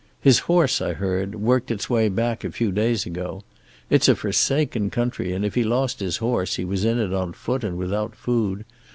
His horse, I heard, worked its way back a few days ago. It's a forsaken country, and if he lost his horse he was in it on foot and without food.